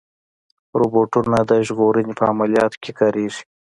روبوټونه د ژغورنې په عملیاتو کې کارېږي.